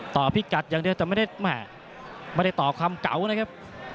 ต่อพี่กัดอย่างเดียวแต่ไม่ได้ต่อคำเก๋านะครับ